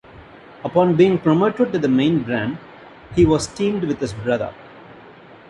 Upon being promoted to the main brand, he was teamed with his brother.